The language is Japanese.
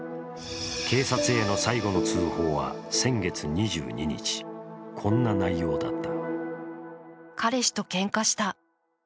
警察への最後の通報は先月２２日こんな内容だった。